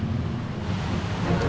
rizky kamu mau kemana sayange